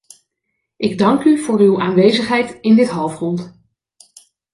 Ik dank u voor uw aanwezigheid in dit halfrond.